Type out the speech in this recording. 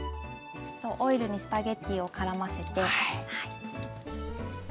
そうオイルにスパゲッティをからませて。